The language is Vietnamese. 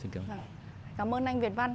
xin cảm ơn cảm ơn anh việt văn